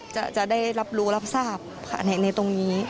จะได้รับรู้รับทราบในตรงนี้